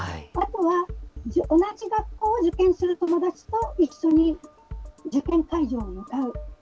あとは同じ学校を受験する友達と一緒に受験会場に向かう。